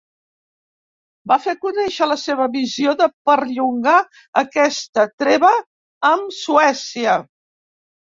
Va fer conèixer la seva visió de perllongar aquesta treva amb Suècia.